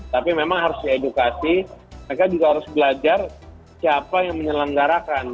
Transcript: tapi memang harus diedukasi mereka juga harus belajar siapa yang menyelenggarakan